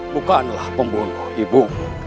bukanlah pembunuh ibu